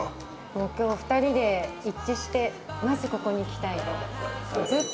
もう今日２人で一致してまずここに来たいと。